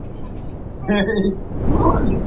ښه اخلاق د بریالیتوب کیلي ده.